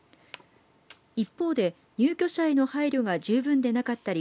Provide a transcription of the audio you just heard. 一方で入居者への配慮が十分でなかったり